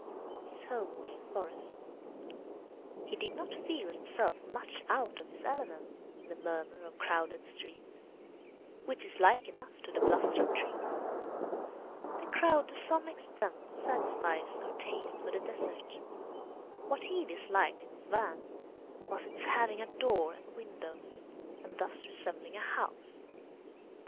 His home was the forest. He did not feel himself much out of his element in the murmur of crowded streets, which is like enough to the bluster of trees. The crowd to some extent satisfies our taste for the desert. What he disliked in his van was its having a door and windows, and thus resembling a house.